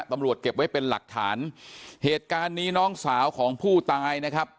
เก็บไว้เป็นหลักฐานเหตุการณ์นี้น้องสาวของผู้ตายนะครับ